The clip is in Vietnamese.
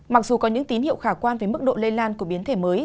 mặc dù có những tín hiệu khả quan về mức độ lây lan của biến thể mới